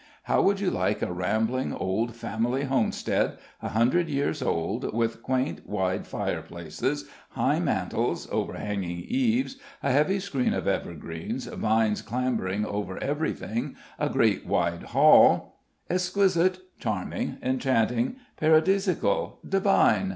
How would you like a rambling, old family homestead, a hundred years old, with quaint, wide fireplaces, high mantels, overhanging eaves, a heavy screen of evergreens, vines clambering over everything, a great wide hall " "Exquisite charming enchanting paradisaical divine!"